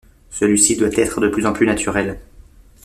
Celui-ci doit être de plus en plus naturel.